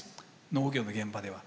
農業の現場では。